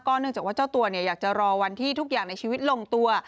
เนื่องจากว่าเจ้าตัวอยากจะรอวันที่ทุกอย่างในชีวิตลงตัว